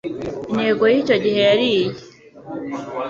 Intego y'icyo gihe yari iyi